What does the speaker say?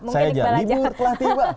saya aja libur telah tiba